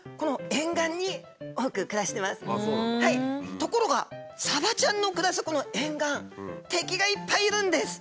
ところがサバちゃんの暮らすこの沿岸敵がいっぱいいるんです。